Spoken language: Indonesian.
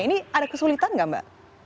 ini ada kesulitan nggak mbak